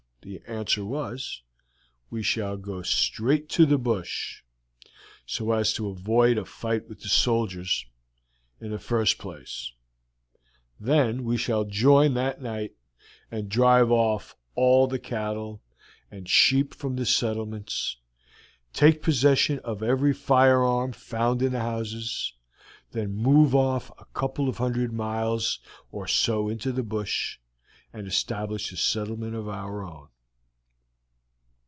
the answer was, "We shall go straight to the bush, so as to avoid a fight with the soldiers, in the first place; then we shall join that night, and drive off all the cattle and sheep from the settlements, take possession of every firearm found in the houses, then move off a couple of hundred miles or so into the bush, and establish a settlement of our own.